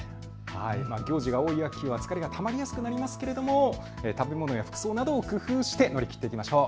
行事が多い秋は疲れがたまりやすくなりますが食べ物や服装を工夫して乗り切っていきましょう。